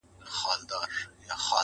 • په خپل ژوند یې د ښار مخ نه وو لیدلی -